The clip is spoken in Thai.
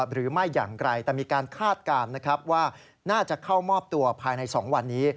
หรือไม่อย่างไรแต่มีการคาดการณ์นะครับว่าน่าจะเข้ามอบตัวภายใน๒วันนี้